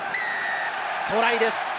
トライです！